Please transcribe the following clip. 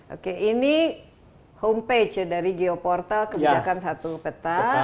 oke ini home page ya dari geoportal kebijakan satu peta